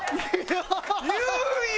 言うんや！